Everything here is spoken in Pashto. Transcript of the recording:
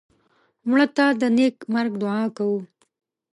مړه ته د نیک مرګ دعا کوو